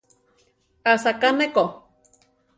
Asaká ne ko.